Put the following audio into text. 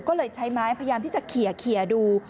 ก็เลยใช้ไม้พยายามที่จะเคลียร์ดู